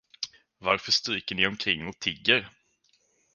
Varför stryker ni omkring och tigger?